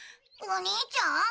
お兄ちゃん？